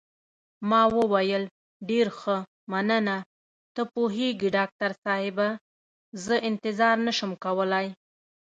ما وویل: ډېر ښه، مننه، ته پوهېږې ډاکټر صاحبه، زه انتظار نه شم کولای.